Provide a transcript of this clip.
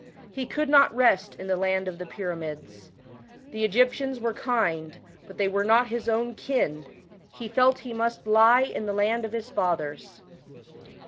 He could not rest in the land of the pyramids. 1 The Egyptians were kind, but they were not his own kin ; he felt he must lie in the land of his fathers.